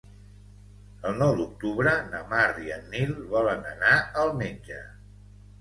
El nou d'octubre na Mar i en Nil volen anar al metge.